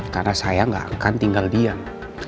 karena saya gak akan tinggal diam